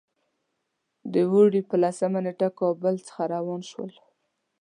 د وري په لسمه نېټه کابل څخه روان شولو.